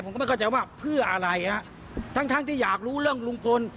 ผมก็ไม่เข้าใจว่าเพื่ออะไรฮะทั้งทั้งที่อยากรู้เรื่องลุงพล